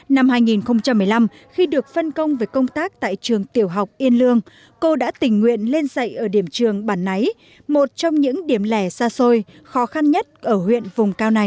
năm hai nghìn một mươi năm khi được phân công về công tác tại trường tiểu học yên lương cô đã tình nguyện lên dạy ở điểm trường bản náy một trong những điểm lẻ xa xôi khó khăn nhất ở huyện vùng cao này